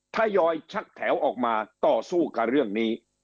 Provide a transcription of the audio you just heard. ทยอยชักแถวออกมาต่อสู้กับเรื่องนี้